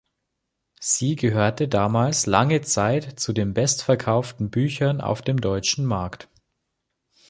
Sie gehörte damals lange Zeit zu den bestverkauften Büchern auf dem deutschen Markt.